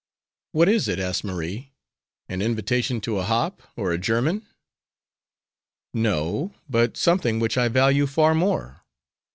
"What is it?" asked Marie; "an invitation to a hop or a german?" "No; but something which I value far more.